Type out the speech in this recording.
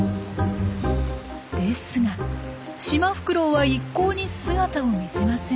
ですがシマフクロウは一向に姿を見せません。